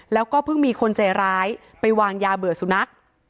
แล้วก็เพิ่งมีคนใจร้ายไปวางยาเบื่อสุนัข